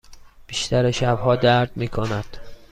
بیشتر شبها درد می کند.